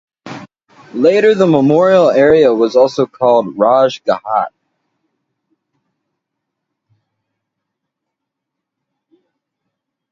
Later the memorial area was also called "Raj ghat".